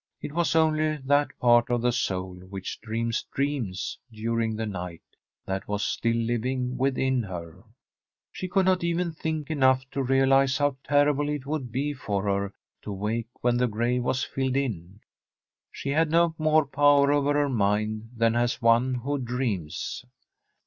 It was only that part of the soul which dreams dreams during the night that was still living within her. She could not even think enough to realize Ia8] Tbi STORY of a COUNTRY HOUSE how terrible it would be for her to awake when the grave was filled in. She had no more power over her mind than has one who dreams.